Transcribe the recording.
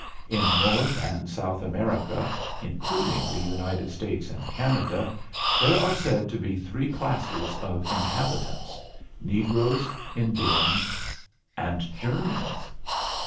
In North and South America, including the United States and Canada, there are said to be three classes of inhabitants negroes, Indians and Germans.